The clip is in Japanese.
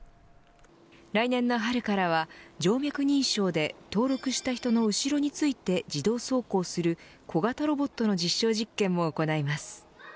来年の春からは静脈認証で登録した人の後ろについて自動走行する小型ロボットの実証実験も行います。